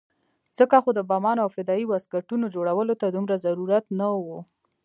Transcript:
ځکه خو د بمانو او فدايي واسکټونو جوړولو ته دومره ضرورت نه وو.